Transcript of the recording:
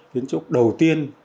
kiến trúc đầu tiên